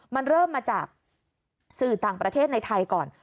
มันเริ่มมาจากสื่อต่างประเทศในไทยก่อน